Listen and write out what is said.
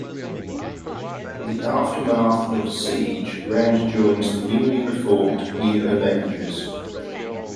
In the aftermath of "Siege", Rand joins the newly reformed New Avengers.